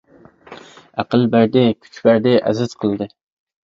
ئەقىل بەردى، كۈچ بەردى، ئەزىز قىلدى.